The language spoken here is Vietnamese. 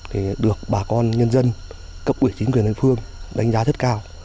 thì được bà con nhân dân cấp ủy chính quyền địa phương đánh giá rất cao